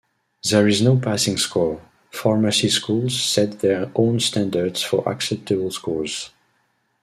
There is no passing score; pharmacy schools set their own standards for acceptable scores.